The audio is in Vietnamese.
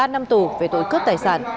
ba năm tù về tối cướp tài sản